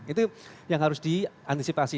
itu yang harus diantisipasi